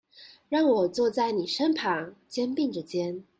讓我坐在妳身旁，肩並著肩